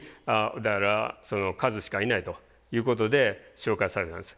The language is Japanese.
だからカズしかいないということで紹介されたんです。